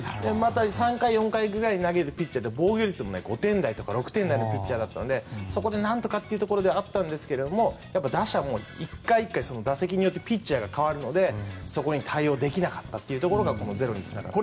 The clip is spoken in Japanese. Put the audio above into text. ３回、４回に投げるピッチャーって防御率も５点台、６点台のピッチャーだったのでそこでなんとかというところだったんですが打者も１回１回打席によってピッチャーが代わるのでそこに対応できなかったというところがゼロにつながった。